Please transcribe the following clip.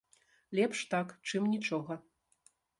Лепш так, чым нічога.